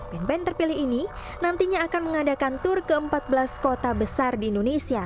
band band terpilih ini nantinya akan mengadakan tur ke empat belas kota besar di indonesia